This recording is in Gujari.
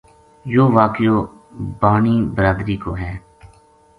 یوہ واقعو بانی برادری کو